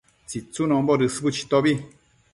tsitsunombo dësbu chitobi